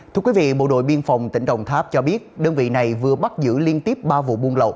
thưa quý vị bộ đội biên phòng tỉnh đồng tháp cho biết đơn vị này vừa bắt giữ liên tiếp ba vụn